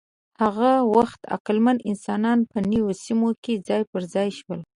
هغه وخت عقلمن انسانان په نویو سیمو کې ځای پر ځای شول.